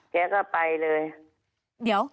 แล้วก็ไปเลย